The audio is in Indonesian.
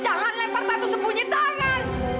jangan lempar batu sembunyi tangan